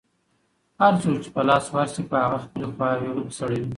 هر څوک چې په لاس ورشي، په هغه خپلې خواوې سړوي.